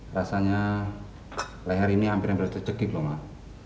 rasanya leher ini hampir hampir tercekik loh mak